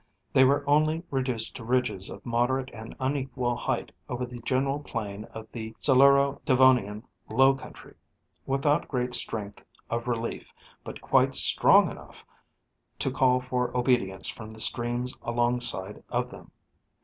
They were only reduced to ridges of 244 National Geographic Magazine. moderate and unequal height over the general plain of the Siluro Devonian low country, without great strength of relief but quite strong enough to call for obedience from the streams along side of them.